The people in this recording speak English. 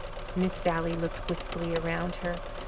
Miss Sally looked wistfully around her.